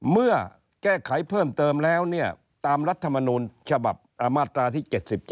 เมื่อแก้ไขเพิ่มเติมแล้วเนี่ยตามรัฐมนูลฉบับมาตราที่๗๗